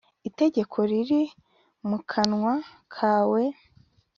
Itegeko riri mu kanwa kawe